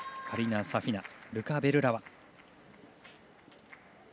カリナ・サフィナルカ・ベルラワ。